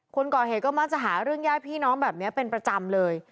คนก่อเหตุก็มักจะหาเรื่องญาติพี่น้องแบบนี้เป็นประจำเลย